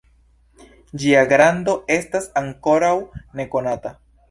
Ĝia grando estas ankoraŭ nekonata.